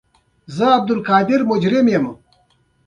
زما وظیفه اسانه ده